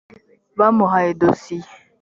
bamuhaye dosiye .